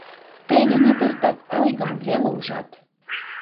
— Тый денет эртак ойгым веле ужат!.